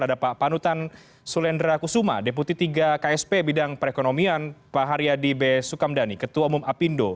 ada pak panutan sulendra kusuma deputi tiga ksp bidang perekonomian pak haryadi b sukamdhani ketua umum apindo